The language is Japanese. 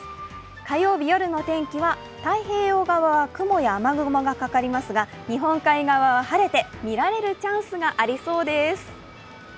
火曜日夜の天気は、太平洋側は雲や雨雲がかかりますが日本海側は晴れて見られるチャンスがありそうです。